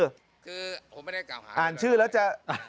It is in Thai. คือผมไม่ได้กล่าวหาอ่านชื่อแล้วจะ